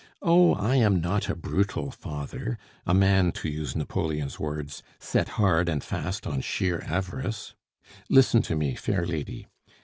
Oh, I am not a brutal father, a man to use Napoleon's words set hard and fast on sheer avarice. Listen to me, fair lady.